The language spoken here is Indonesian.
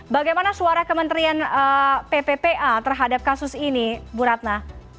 bagaimana suara kementerian pppa terhadap kasus ini bu ratna